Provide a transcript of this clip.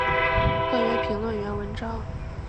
特约评论员文章